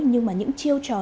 nhưng mà những chiêu trò này